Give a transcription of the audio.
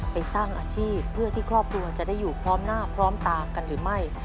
ไปสร้างอาชีพเพื่อที่ครอบครัวจะได้อยู่พร้อมหน้าพร้อมตากันหรือไม่